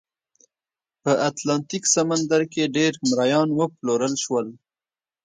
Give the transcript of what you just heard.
په اتلانتیک سمندر کې ډېر مریان وپلورل شول.